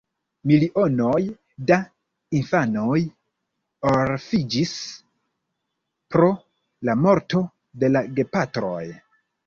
Milionoj da infanoj orfiĝis pro la morto de la gepatroj.